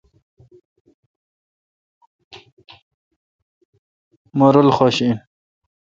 مہ رل خش این۔